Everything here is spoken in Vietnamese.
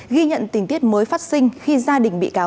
ghi nhận tình tiết mới phát sinh khi gia đình bị cáo